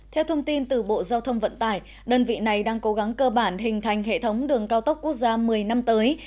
theo thông tin từ bộ giao thông vận tải đơn vị này đang cố gắng cơ bản hình thành hệ thống đường cao tốc quốc gia một mươi năm tới